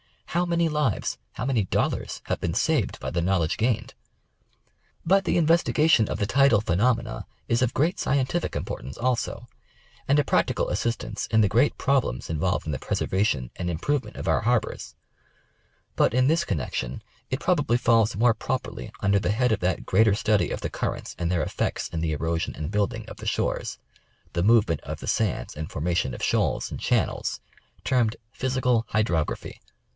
How many lives, how many dollars, have been saved by the knowledge gained ? But the investigation of the Tidal phenomena is of great sci entific importance also ; and a practical assistance in the great problems involved in the preservation and improvement of our harbors, but in this connection it probably falls more properly under the head of that greater study of the currents and their effects in the erosion, and building of the shores ; the movement of the sands and formation of shoals and channels; termed " Physi cal Hydrography."